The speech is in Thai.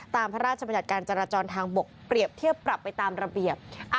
พระราชบัญญัติการจราจรทางบกเปรียบเทียบปรับไปตามระเบียบ